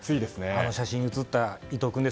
あの写真に写った伊藤君。